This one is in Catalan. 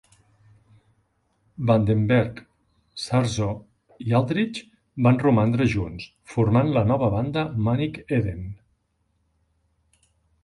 Vandenberg, Sarzo i Aldridge van romandre junts, formant la nova banda Manic Eden.